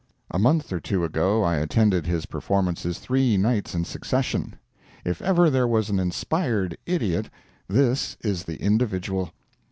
A month or two ago I attended his performances three nights in succession. If ever there was an inspired idiot this is the individual.